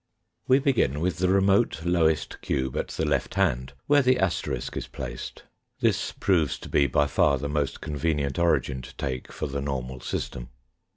We begin with the remote lowest cube at the left hand, where the asterisk is placed (this proves to be by far the most convenient origin to take for the normal system).